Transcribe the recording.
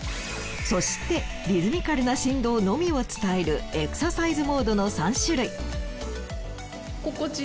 そしてリズミカルな振動のみを伝えるエクササイズモードの３種類。